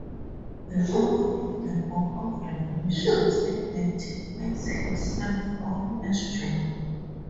The author of the Book of Revelation identifies himself only as "John".